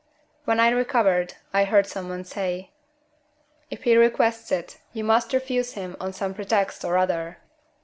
When I recovered, I heard some one say: "If he requests it, you must refuse him on some pretext or other."